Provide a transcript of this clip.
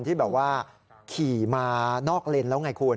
ที่แบบว่าขี่มานอกเลนแล้วไงคุณ